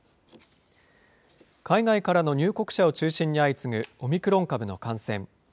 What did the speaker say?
海外からの入国者を中心に相次ぐ、オミクロン株の感染。